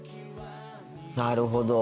なるほど。